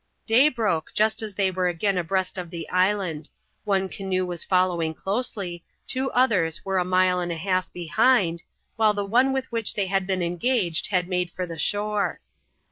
Day broke just as they were again abreast of the island. One canoe was following closely, two others were a mile and a half behind, while the one with which they had been engaged had made for the shore.